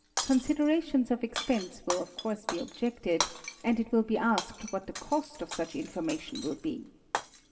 Considerations of expense will of course be objected and it will be asked what the cost of such informa tion will be.